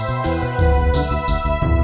tidak ada yang pakai